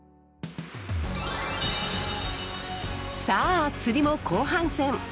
さあ釣りも後半戦。